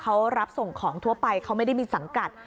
เขารับส่งของทั่วไปเขาไม่ได้มีสังกัด